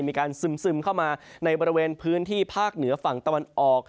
ซึมเข้ามาในบริเวณพื้นที่ภาคเหนือฝั่งตะวันออก